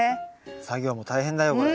作業も大変だよこれ。